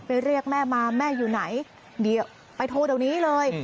เรียกแม่มาแม่อยู่ไหนเดี๋ยวไปโทรเดี๋ยวนี้เลย